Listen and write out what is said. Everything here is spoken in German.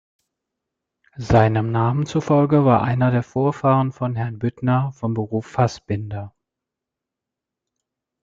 Seinem Namen zufolge war einer der Vorfahren von Herrn Büttner von Beruf Fassbinder.